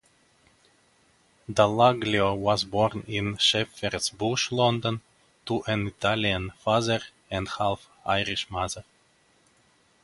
Dallaglio was born in Shepherd's Bush, London to an Italian father and half-Irish mother.